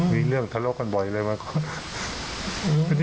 มีเรื่องทะเลากันบ่อยอะไรไหม